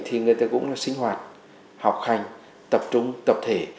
thì người ta cũng sinh hoạt học hành tập trung tập thể